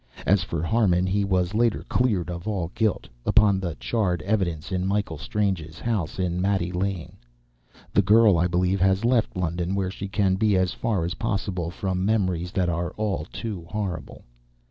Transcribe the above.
As for Harmon, he was later cleared of all guilt, upon the charred evidence in Michael Strange's house in Mate Lane. The girl, I believe, has left London, where she can be as far as possible from memories that are all too terrible.